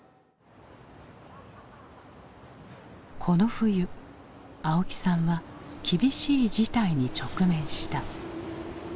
この冬青木さんは厳しい事態に直面した。